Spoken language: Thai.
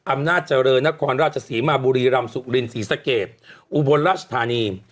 อำนาจเจริญนครราชศรีมาบุรีรำสุรินศรีสะเกดอุบลราชธานี